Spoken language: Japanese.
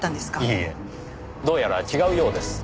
いいえどうやら違うようです。